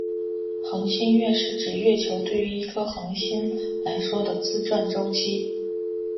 恒星月是指月球对于一颗恒星来说的自转周期。